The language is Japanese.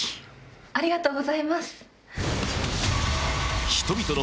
ありがとうございます。